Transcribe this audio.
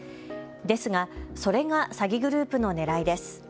ですがそれが詐欺グループのねらいです。